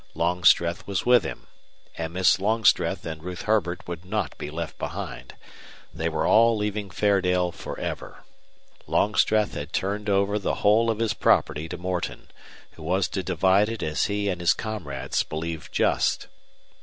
Longstreth was with him. And Miss Longstreth and Ruth Herbert would not be left behind. They were all leaving Fairdale for ever. Longstreth had turned over the whole of his property to Morton, who was to divide it as he and his comrades believed just.